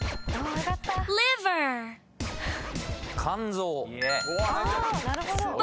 肝臓。